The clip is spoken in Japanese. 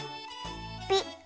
ピッ。